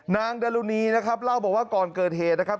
ดารุณีนะครับเล่าบอกว่าก่อนเกิดเหตุนะครับ